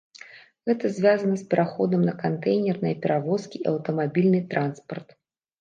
Гэта звязана з пераходам на кантэйнерныя перавозкі і аўтамабільны транспарт.